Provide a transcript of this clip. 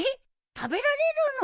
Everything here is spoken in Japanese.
食べられるの？